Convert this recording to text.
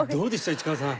市川さん。